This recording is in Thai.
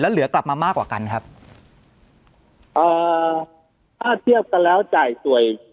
เหลือกลับมามากกว่ากันครับเอ่อถ้าเทียบกันแล้วจ่ายสวย